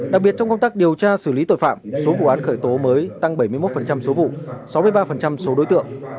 đặc biệt trong công tác điều tra xử lý tội phạm số vụ án khởi tố mới tăng bảy mươi một số vụ sáu mươi ba số đối tượng